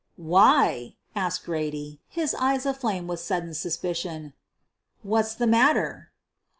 "Why," asked Grady, his eyes aflame with sud den suspicion, "what's the matter?"